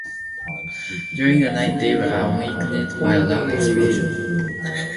During the night they were awakened by a loud explosion.